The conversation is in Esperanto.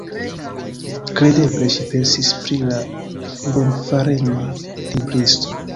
Kredeble ŝi pensis pri la bonfarema libristo.